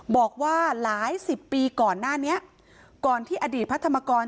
บอกว่าหลายสิบปีก่อนหน้านี้ก่อนที่อดีตพระธรรมกร